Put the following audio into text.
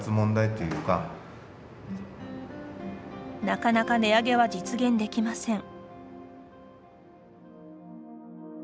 なかなか値上げは実現できません。